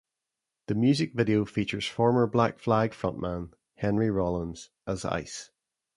The music video features former Black Flag frontman Henry Rollins as Ice.